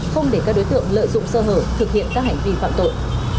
không để các đối tượng lợi dụng sơ hở thực hiện các hành vi phạm tội